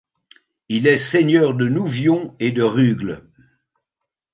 Il est seigneur de Nouvion et de Rugles.